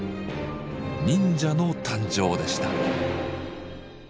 忍者の誕生でした。